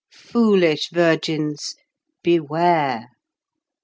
foolish virgins, beware!